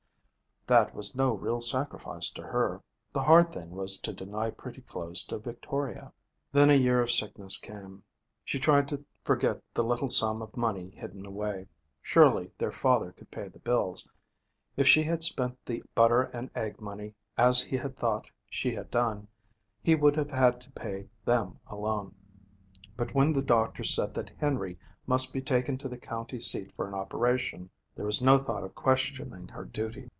That was no real sacrifice to her. The hard thing was to deny pretty clothes to Victoria. Then a year of sickness came. She tried to forget the little sum of money hidden away. Surely their father could pay the bills. If she had spent the butter and egg money, as he had thought she had done, he would have had to pay them alone. But when the doctor said that Henry must be taken to the county seat for an operation, there was no thought of questioning her duty.